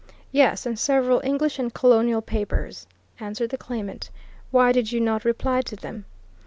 "Yes in several English and Colonial papers," answered the claimant. "Why did you not reply to them?"